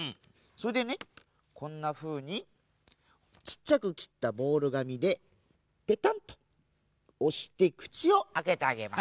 それでねこんなふうにちっちゃくきったボールがみでペタンとおしてくちをあけてあげます。